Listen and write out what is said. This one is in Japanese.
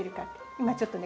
今ちょっとね